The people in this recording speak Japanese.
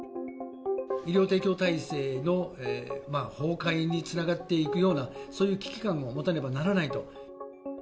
医療提供体制の崩壊につながっていくような、そういう危機感を持たねばならないと。